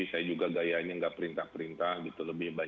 saya juga gayanya nggak perintah perintah lebih banyak mengayomi mengasuh